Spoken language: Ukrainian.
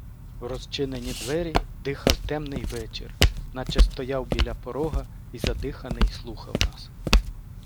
В розчинені двері дихав темний вечір, наче стояв біля порога й, задиханий, слухав нас.